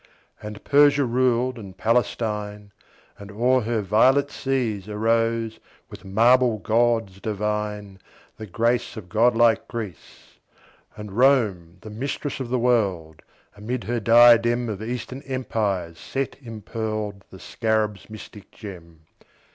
And Persia ruled and Palestine; And o'er her violet seas Arose, with marble gods divine, The grace of god like Greece. And Rome, the Mistress of the World, Amid her diadem Of Eastern Empires set impearled The Scarab's mystic gem.